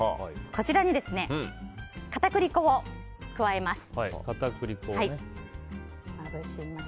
こちらに片栗粉を加えます。